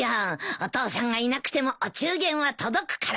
お父さんがいなくてもお中元は届くからね。